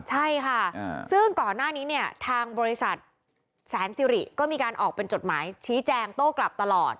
ใช่ค่ะซึ่งก่อนหน้านี้เนี่ยทางบริษัทแสนสิริก็มีการออกเป็นจดหมายชี้แจงโต้กลับตลอด